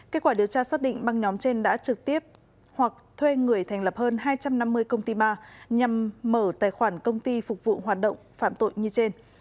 kết quả điều tra xác định băng nhóm trên đã trực tiếp hoặc thuê người thành lập hơn hai trăm năm mươi công ty ma nhằm mở tài khoản công ty phục vụ hoạt động phạm tội như trên